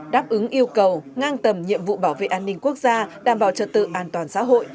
đáp ứng yêu cầu ngang tầm nhiệm vụ bảo vệ an ninh quốc gia đảm bảo trật tự an toàn xã hội